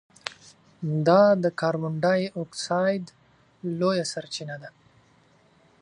دا د کاربن ډای اکسایډ لویه سرچینه ده.